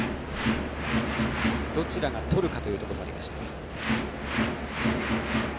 どちらがとるかというところまできました。